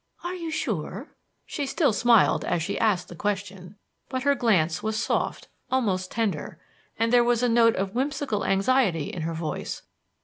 "Are you sure?" She still smiled as she asked the question, but her glance was soft almost tender and there was a note of whimsical anxiety in her voice.